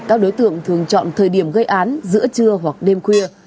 các đối tượng thường chọn thời điểm gây án giữa trưa hoặc đêm khuya